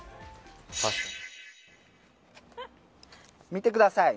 見てください。